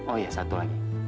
oh iya satu lagi